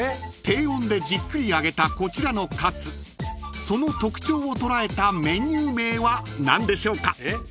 低温でじっくり揚げたこちらのかつその特徴を捉えたメニュー名は何でしょうか？］